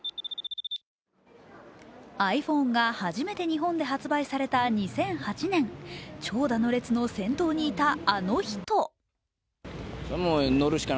実はｉＰｈｏｎｅが初めて発売された２００８年長蛇の列の先頭にいたあの人。